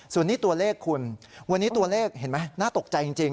ส่วนนี้ตัวเลขคุณวันนี้ตัวเลขเห็นไหมน่าตกใจจริง